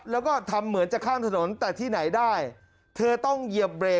แล้วก็ทำเหมือนจะข้ามถนนแต่ที่ไหนได้เธอต้องเหยียบเบรก